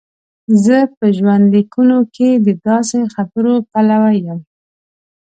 زه په ژوندلیکونو کې د داسې خبرو پلوی یم.